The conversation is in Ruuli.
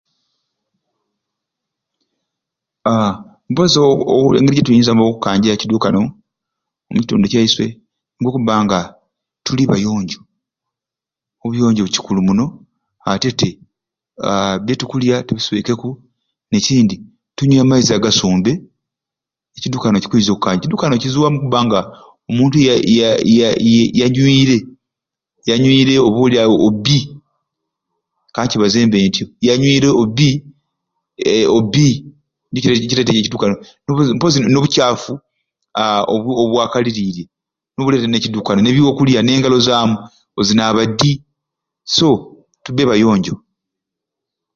Aa mpozi obu obu engeri gyetuyinza ekidukano omukitundu kyaiswe nikwo okubba nga tuli bayonjo obuyonjo kikulu muno ate te byetukulya tubiswekeku ne kindi tunywe amaizi agasumbe ekidukano kikwiiza kukanga ekidukano okubbanga omuntu yayi yayi yayi yajwiire yanywiire oba olyawo o bbi ka nkibaze mbe ntyo yanywiire obbi ee obbi nikire nikireeta ekidukano mpozi nobucaafu aa obwaka obwakaliriirye nibyo bikuleeta e kidukano nebyokulya ne ngalo zaamu ozinaaba ddi so tubbe bayonjo.